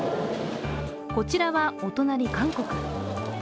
こちらはお隣・韓国。